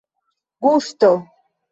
gusto